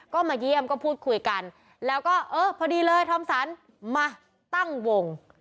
ก็มาเยี่ยมก็พูดคุยกันแล้วก็เออพอดีเลยทอมสันมาตั้งวง